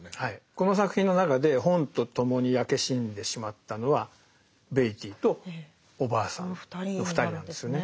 この作品の中で本と共に焼け死んでしまったのはベイティーとおばあさんの２人なんですよね。